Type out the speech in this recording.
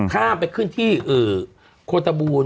ข้ามไปขึ้นที่โคตบูล